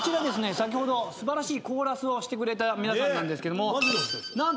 先ほど素晴らしいコーラスをしてくれた皆さんなんですけども何と彼らはですね